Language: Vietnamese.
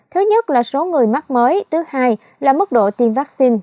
thứ nhất là số người mắc mới thứ hai là mức độ tiêm vaccine